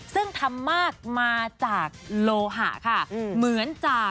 ซึ่งทำมากมาจากโลหะค่ะ